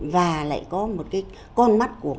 và lại có một cái con mắt của